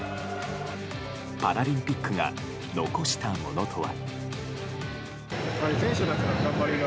パラリンピックが残したものとは。